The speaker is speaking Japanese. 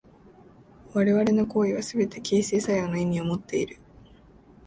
我々の行為はすべて形成作用の意味をもっている。